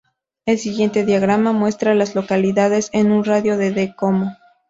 El siguiente diagrama muestra a las localidades en un radio de de Como.